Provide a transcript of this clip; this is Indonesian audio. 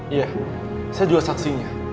iya saya juga saksinya